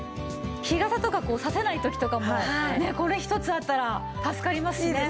日傘とかさせない時とかもこれ１つあったら助かりますしね。